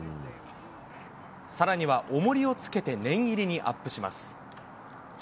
さらにはおもりをつけて念入りにアップします。